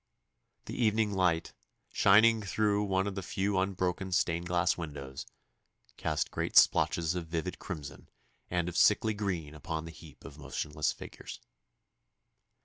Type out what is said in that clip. The evening light, shining through one of the few unbroken stained glass windows, cast great splotches of vivid crimson and of sickly green upon the heap of motionless figures.